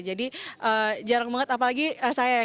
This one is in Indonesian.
jadi jarang banget apalagi saya